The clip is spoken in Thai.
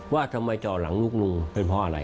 ว่าทำไมจ่อหลังลูกลุงเป็นเพราะอะไร